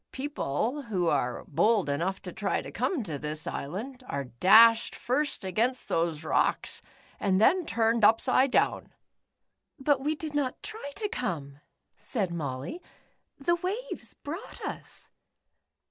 * People who are bold enough to tr\' to come to this island, are dashed first against those rocks, and then turned upside down." "But we did not tr\ to come." said Molly, "the waves brouofht us."